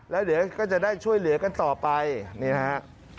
แล้วเดี๋ยวก็จะได้ช่วยเหลือกันต่อไปนี่นะฮะ